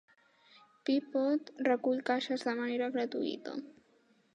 Peapod recull caixes de manera gratuïta.